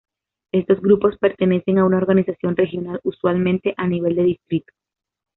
Estos grupos pertenecen a una organización regional, usualmente a nivel de distrito.